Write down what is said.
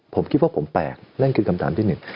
ผมคิดว่าผมแปลกนั่นคือคำถามที่หนึ่ง